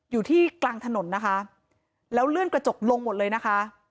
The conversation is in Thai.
อยู่ที่กลางถนนนะคะแล้วเลื่อนกระจกลงหมดเลยนะคะ